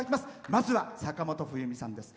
まずは坂本冬美さんです。